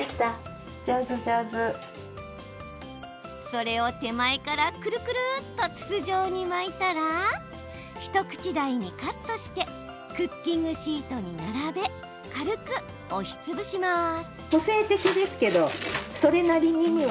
それを手前から筒状に巻いたら一口大にカットしてクッキングシートに並べ軽く押しつぶします。